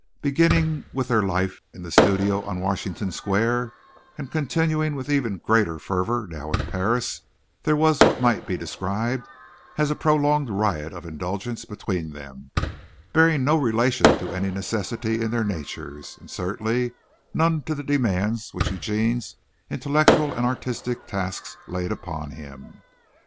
Beginning with their life in the studio on Washington Square, and continuing with even greater fervor now in Paris, there was what might be described as a prolonged riot of indulgence between them, bearing no relation to any necessity in their natures, and certainly none to the demands which Eugene's intellectual and artistic tasks laid upon him.